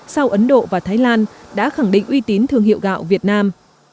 sau ấn độ và thái lan đã khẳng định uy tín thương hiệu gạo việt nam